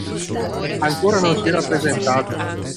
Ancora non si era presentato.